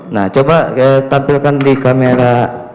nah coba tampilkan di kamera